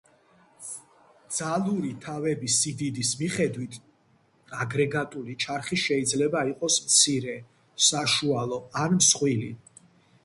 ძალური თავების სიდიდის მიხედვით აგრეგატული ჩარხი შიძლება იყოს მცირე, საშუალო და მსხვილი.